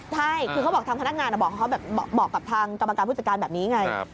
ใช่คือเขาบอกทางพนักงานบอกเขาบอกกับทางกรรมการผู้จัดการแบบนี้ไง